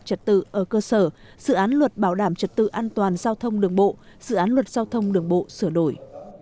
trật tự ở cơ sở dự án luật bảo đảm trật tự an toàn giao thông đường bộ dự án luật giao thông đường bộ sửa đổi